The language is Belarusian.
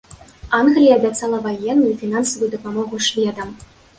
Англія абяцала ваенную і фінансавую дапамогу шведам.